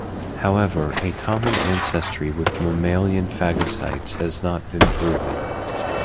However, a common ancestry with mammalian phagocytes has not been proven.